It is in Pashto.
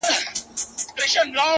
د سترگو اوښکي دي خوړلي گراني